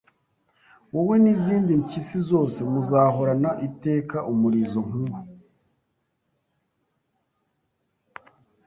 wowe n'izindi mpyisi zose muzahorana iteka umulizo nkuwo